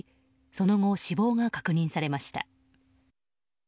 その後、死亡が確認されました。